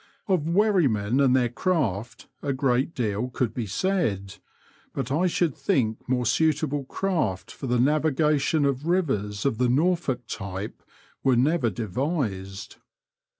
Of wherrymen and their craft a great deal could be said, but I should think more suitable craft for the navigation of rivers of the Norfolk type were never devised.